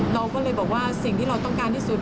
เราก็เลยบอกว่าสิ่งที่เราต้องการที่สุด